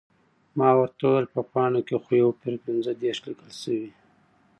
ما ورته وویل، په پاڼه کې خو یو پر پنځه دېرش لیکل شوي.